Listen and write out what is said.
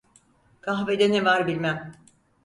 Kahvede ne var bilmem!